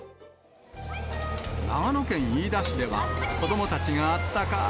長野県飯田市では、子どもたちがあったかー